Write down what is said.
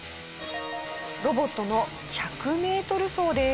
ロボットの１００メートル走です。